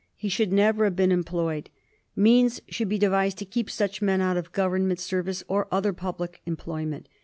He should never have been em ployed. Means should be devised to keep such men out of Government service or other public employment.